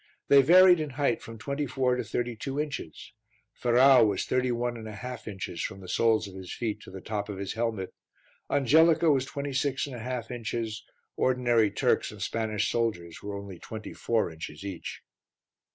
They varied in height from twenty four to thirty two inches. Ferrau was thirty one and a half inches from the soles of his feet to the top of his helmet; Angelica was twenty six and a half inches; ordinary Turks and Spanish soldiers were only twenty four inches each.